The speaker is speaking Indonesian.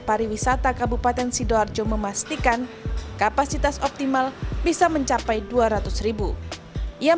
pariwisata kabupaten sidoarjo memastikan kapasitas optimal bisa mencapai dua ratus yang